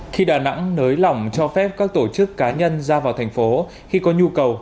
khi đà nẵng nới lỏng cho phép các tổ chức cá nhân ra vào thành phố khi có nhu cầu